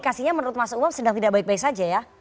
tapi sebenarnya menurut masa umum sedang tidak baik baik saja ya